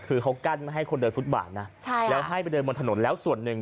คือเขากั้นไม่ให้คนเดินฟุตบาทนะใช่แล้วให้ไปเดินบนถนนแล้วส่วนหนึ่ง